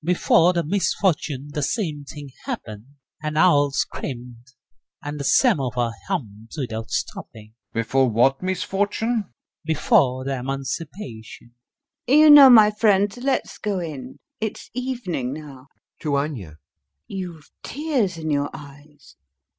Before the misfortune the same thing happened. An owl screamed and the samovar hummed without stopping. GAEV. Before what misfortune? FIERS. Before the Emancipation. [A pause.] LUBOV. You know, my friends, let's go in; it's evening now. [To ANYA] You've tears in your eyes....